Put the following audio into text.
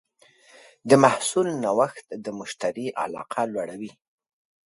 د محصول نوښت د مشتری علاقه لوړوي.